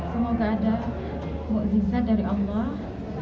semoga ada muhazisa dari allah